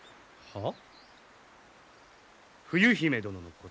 はあ。